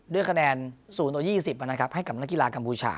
ด้วยคะแนน๐๒๐ให้กับนักกีฬากัมพูชา